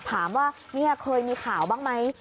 ถามว่านี่เคยมีข่าวบ้างไหม